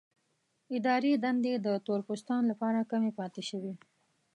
اداري دندې د تور پوستانو لپاره کمې پاتې شوې.